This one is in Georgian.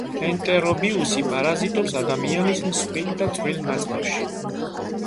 ენტერობიუსი პარაზიტობს ადამიანის მსხვილ და წვრილ ნაწლავში.